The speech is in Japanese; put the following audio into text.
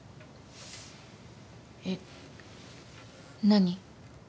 えっ何？